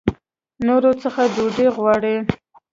نورو څخه ډوډۍ غواړي.